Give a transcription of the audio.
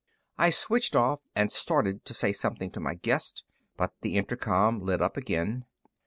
I switched off and started to say something to my guest, but the intercom lit up again.